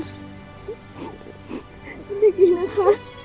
เป็นเด็กดีนะคะ